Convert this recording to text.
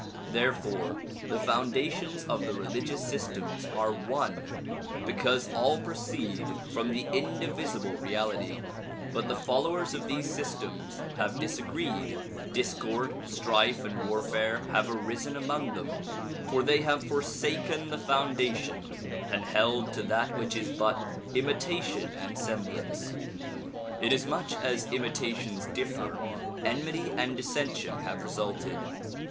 Therefore the foundations of the religious systems are one because all proceed from the indivisible reality; but the followers of these systems have dis agreed; discord, strife and warfare have arisen among them, for they have forsaken the foundation and held to that which is but imitation and semblance. Inasmuch as imitations dift'er, enmity and dissension have resulted.